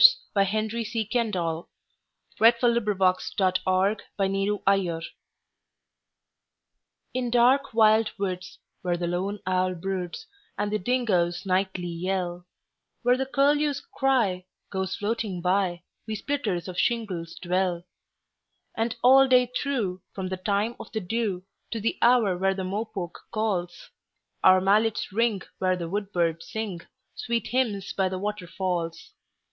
By Henry C. Kendall 27 . Song of the Shingle Splitters IN dark wild woods, where the lone owl broodsAnd the dingoes nightly yell—Where the curlew's cry goes floating by, We splitters of shingles dwell. And all day through, from the time of the dewTo the hour when the mopoke calls, Our mallets ring where the woodbirds singSweet hymns by the waterfalls.